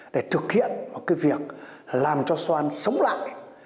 để thực hiện một cái việc làm cho soan sống lại